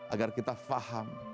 agar kita faham